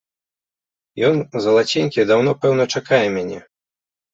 Ён, залаценькі, даўно, пэўна, чакае мяне.